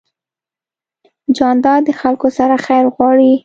جانداد د خلکو سره خیر غواړي.